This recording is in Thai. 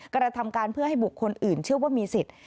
กระทำการเพื่อให้บุคคลอื่นเชื่อว่ามีสิทธิ์